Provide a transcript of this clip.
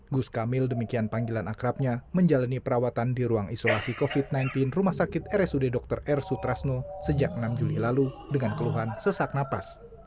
gus kamil demikian panggilan akrabnya menjalani perawatan di ruang isolasi covid sembilan belas rumah sakit rsud dr r sutrasno sejak enam juli lalu dengan keluhan sesak napas